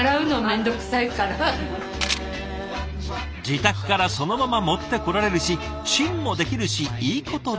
自宅からそのまま持ってこられるしチンもできるしいいこと尽くし。